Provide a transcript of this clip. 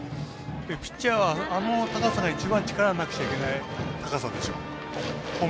ピッチャーはあの高さが一番力がなくちゃいけない高さでしょう。